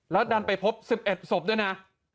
แล้วดันไปพบ๑๑ศพด้วยนะ